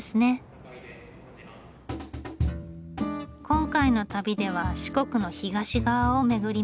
今回の旅では四国の東側を巡ります。